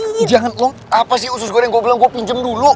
ini jangan apa sih usus goreng gue bilang gue pinjam dulu